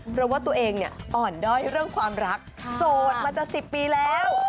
เพราะว่าตัวเองเนี่ยอ่อนด้อยเรื่องความรักโสดมาจะ๑๐ปีแล้ว